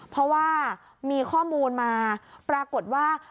เพราะว่ามีข้อมูลมาปรากฏว่า